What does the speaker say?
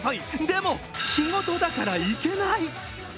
でも、仕事だから行けない。